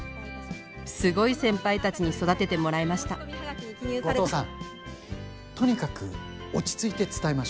すごい先輩たちに育ててもらいました後藤さんとにかく落ち着いて伝えましょう。